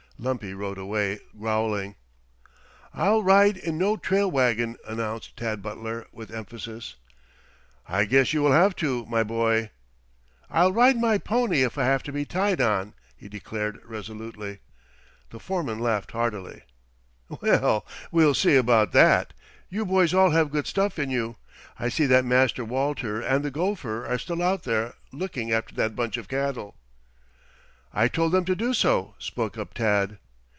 Lumpy rode away growling. "I'll ride in no trail wagon," announced Tad Butler, with emphasis. "I guess you will have to, my boy." "I'll ride my pony if I have to be tied on," he declared resolutely. The foreman laughed heartily. "Well, we'll see about that. You boys all have good stuff in you. I see that Master Walter and the gopher are still out there looking after that bunch of cattle." "I told them to do so," spoke up Tad.